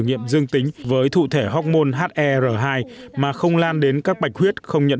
nghiệm dương tính với thụ thể hormôn her hai mà không lan đến các bạch huyết không nhận